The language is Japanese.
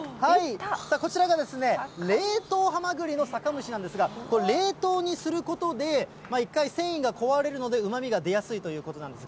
こちらが冷凍はまぐりの酒蒸しなんですが、これ、冷凍にすることで、一回繊維が壊れるので、うまみが出やすいということなんです。